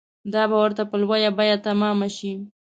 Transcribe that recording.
دا به ورته په لویه بیه تمامه شي.